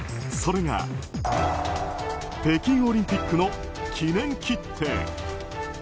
それが、北京オリンピックの記念切手。